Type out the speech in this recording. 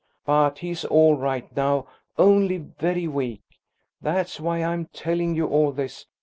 But he's all right now, only very weak. That's why I'm telling you all this.